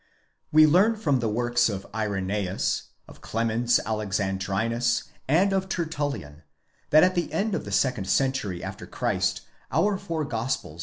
We learn from the works of Irenzus, of Clemens Alexandrinus, and of Tertullian, that at the end of the second century after Christ our four Gospels.